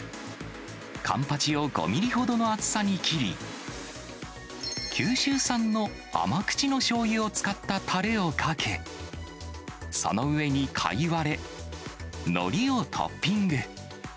カンパチを５ミリほどの厚さに切り、九州産の甘口のしょうゆを使ったたれをかけ、その上にカイワレ、のりをトッピング。